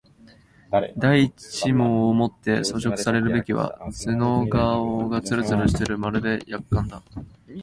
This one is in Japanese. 第一毛をもって装飾されるべきはずの顔がつるつるしてまるで薬缶だ